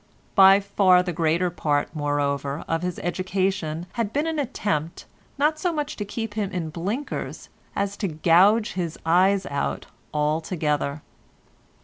By far the greater part, moreover, of his education had been an attempt, not so much to keep him in blinkers as to gouge his eyes out altogether.